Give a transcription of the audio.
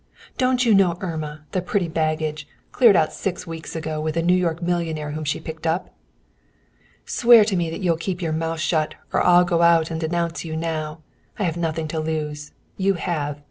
Don't you know Irma, the pretty baggage, cleared out six weeks ago with a New York millionaire whom she picked up?" "Swear to me that you'll keep your mouth shut or I'll go out and denounce you now. I have nothing to lose. You have.